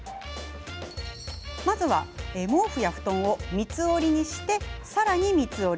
まずは毛布や布団を三つ折りにして、さらに三つ折り。